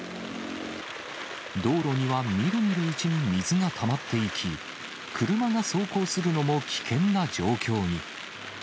道路にはみるみるうちに水がたまっていき、車が走行するのも危険な状況に。